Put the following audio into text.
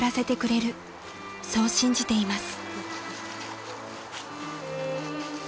［そう信じています］